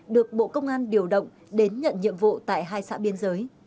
được bộ công an điều động đến nhận nhiệm vụ tại hai xã biên giới